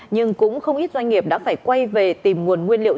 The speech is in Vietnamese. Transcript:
nhưng cũng không ít doanh nghiệp đã phải quay về tìm nguồn nguyên liệu